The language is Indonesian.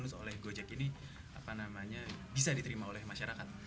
dianus oleh gojek ini apa namanya bisa diterima oleh masyarakat